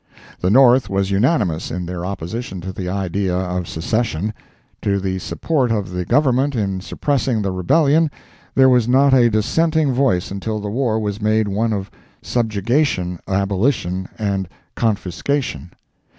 The North was unanimous in their opposition to the idea of Secession. To the support of the Government in suppressing the Rebellion, there was not a dissenting voice until the war was made one of subjugation, abolition and confiscation.